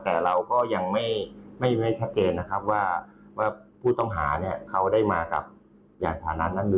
แต่ว่าทางบกเนี่ยก็คือเที่ยงพื้นกวนโดนนะครับมี๑ด่านนะครับ